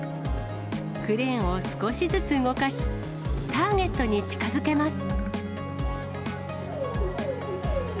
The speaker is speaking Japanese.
クレーンを少しずつ動かし、ターゲットに近づけます。